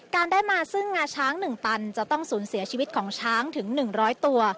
ได้มาซึ่งงาช้าง๑ตันจะต้องสูญเสียชีวิตของช้างถึง๑๐๐ตัว